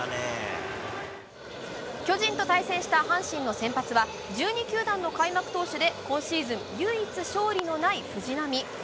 巨人と対戦した阪神の先発は、１２球団の開幕投手で、今シーズン唯一勝利のない藤浪。